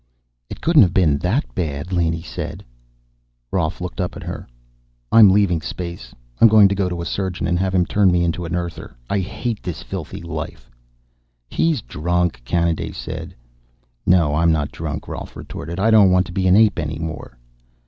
"It couldn't have been that bad," Laney said. Rolf looked up at her. "I'm leaving space. I'm going to go to a surgeon and have him turn me into an Earther. I hate this filthy life!" "He's drunk," Kanaday said. "No, I'm not drunk," Rolf retorted. "I don't want to be an ape any more."